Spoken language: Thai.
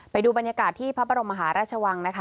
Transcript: ไปดูบรรยากาศที่พระบรมมหาราชวังนะคะ